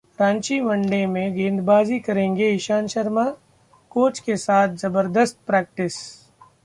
Ranchi one day में गेंदबाजी करेंगे इशांत शर्मा? कोच के साथ जबर्दस्त प्रैक्टिस